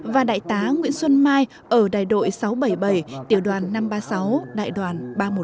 và đại tá nguyễn xuân mai ở đại đội sáu trăm bảy mươi bảy tiểu đoàn năm trăm ba mươi sáu đại đoàn ba trăm một mươi tám